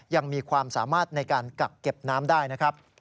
ยังมีความสามารถในการกักเก็บน้ำได้นะครับ